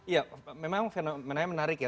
ya memang fenomenanya menarik ya